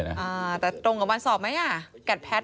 แต่ตรงกับวันสอบไหมแก๊ดแพท